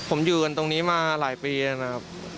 ผมอยู่กันตรงนี้มาหลายปีแล้วนะครับ